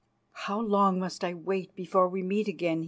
"How long must I wait before we meet again?"